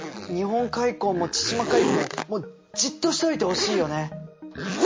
日本海溝も千島海溝ももうじっとしておいてほしいよね。